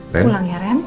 pulang ya ren